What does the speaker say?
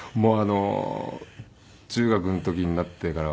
中学の時になってからは。